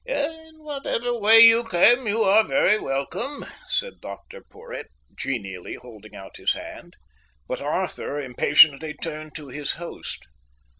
"In whatever way you came, you are very welcome," said Dr Porhoët, genially holding out his hand. But Arthur impatiently turned to his host.